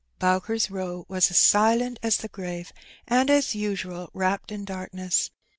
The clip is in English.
Bowker's Bow was as silent as the grave, and^ as usual, wrapped in darkness.